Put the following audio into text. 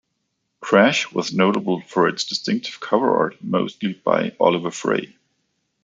"Crash" was notable for its distinctive cover art, mostly by Oliver Frey.